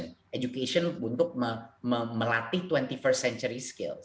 pendidikan untuk melatih kemahiran dua puluh satu st century